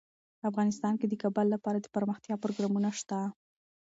افغانستان کې د کابل لپاره دپرمختیا پروګرامونه شته.